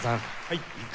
はい。